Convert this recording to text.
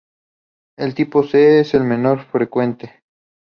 El tipo C es el menos frecuente.